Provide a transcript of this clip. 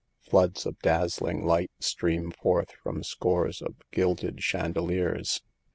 Floods of dazzling lignt stream forth from scores of gilded chandeliers.